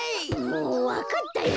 もうわかったよ。